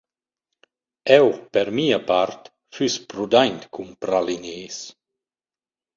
Eu per mia part füss prudaint cun pralinès.